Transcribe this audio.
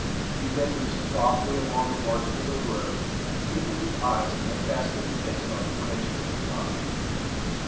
He then moved softly along the margin of the road, keeping his eyes steadfastly fixed on the branches of a pine.